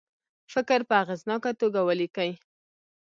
فکر په اغیزناکه توګه ولیکي.